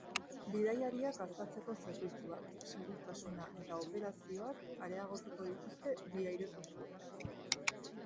Bidaiariak artatzeko zerbitzuak, segurtasuna eta operazioak areagotuko dituzte bi aireportuek.